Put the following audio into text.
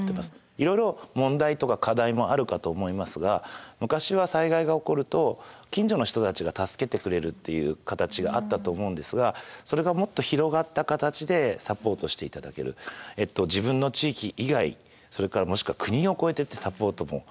いろいろ問題とか課題もあるかと思いますが昔は災害が起こると近所の人たちが助けてくれるっていう形があったと思うんですがそれがもっと広がった形でサポートしていただける自分の地域以外それからもしくは国を超えてってサポートも可能になる。